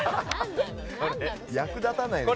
役立たないですね。